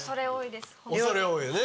恐れ多いよね。